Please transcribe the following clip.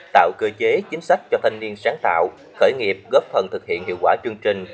tạo cơ chế chính sách cho thanh niên sáng tạo khởi nghiệp góp phần thực hiện hiệu quả chương trình